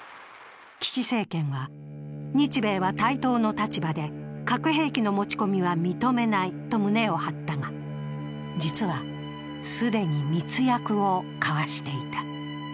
岸政権は日米は対等の立場で核兵器の持ち込みは認めないと胸を張ったが、実は、既に密約を交わしていた。